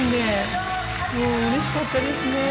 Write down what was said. もううれしかったですね。